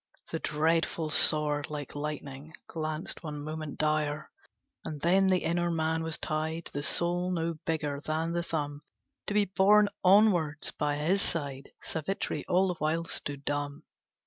The dreadful sword Like lightning glanced one moment dire; And then the inner man was tied, The soul no bigger than the thumb, To be borne onwards by his side: Savitri all the while stood dumb.